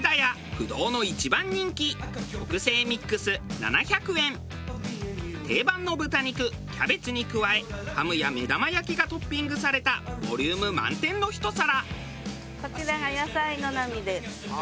不動の一番人気定番の豚肉キャベツに加えハムや目玉焼きがトッピングされたボリューム満点のひと皿。